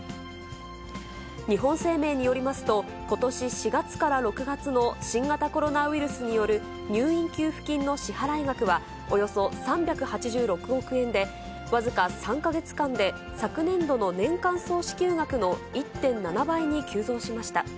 日本生命によりますと、ことし４月から６月の新型コロナウイルスによる入院給付金の支払額は、およそ３８６億円で、僅か３か月間で昨年度の年間総支給額の１．７倍に急増しました。